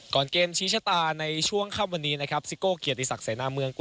ก่อนเกมชี้ชตาในช่วงเข้าวันนี้ครับ